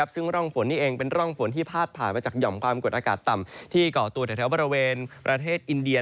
ซึ่งร่องฝนนี่เองเป็นร่องฝนที่พาดผ่านมาจากห่อมความกดอากาศต่ำที่ก่อตัวแถวบริเวณประเทศอินเดีย